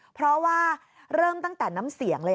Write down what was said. เพราะว่าเริ่มตั้งแต่น้ำเสียงเลย